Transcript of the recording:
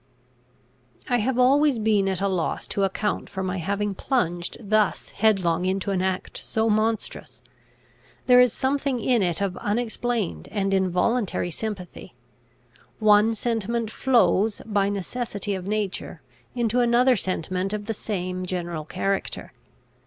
I have always been at a loss to account for my having plunged thus headlong into an act so monstrous. There is something in it of unexplained and involuntary sympathy. One sentiment flows, by necessity of nature, into another sentiment of the same general character.